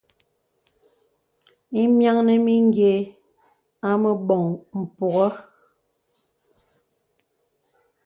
Ìmìanə̀ mì nyə̀ à mə bɔŋ mpùŋə̀.